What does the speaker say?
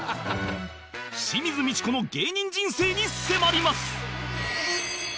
清水ミチコの芸人人生に迫ります